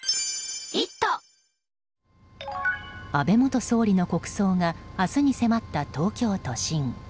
安倍元総理の国葬が明日に迫った東京都心。